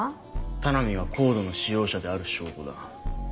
田波がＣＯＤＥの使用者である証拠だ。